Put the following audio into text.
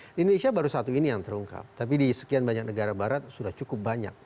di indonesia baru satu ini yang terungkap tapi di sekian banyak negara barat sudah cukup banyak